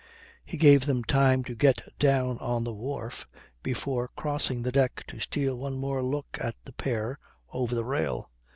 He gave them time to get down on the wharf before crossing the deck to steal one more look at the pair over the rail.